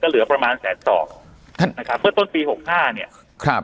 เหลือประมาณแสนสองนะครับเมื่อต้นปีหกห้าเนี่ยครับ